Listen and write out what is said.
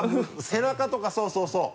背中とかそうそう。